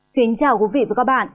kính chào quý vị và các bạn